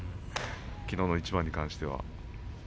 きのうの一番に関しては。